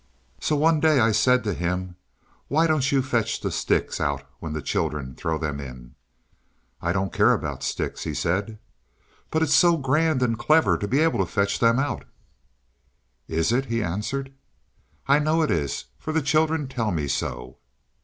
So one day I said to him "Why don't you fetch the sticks out when the children throw them in?" "I don't care about sticks," he said. "But it's so grand and clever to be able to fetch them out." "Is it?" he answered. "I know it is, for the children tell me so."